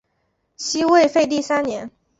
西魏废帝三年。